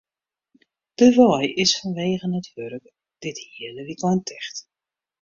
De wei is fanwegen it wurk dit hiele wykein ticht.